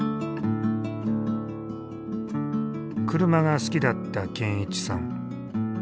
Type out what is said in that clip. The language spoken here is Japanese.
車が好きだった健一さん。